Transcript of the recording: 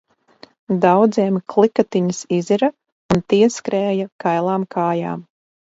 Daudziem klikatiņas izira un tie skrēja kailām kājām.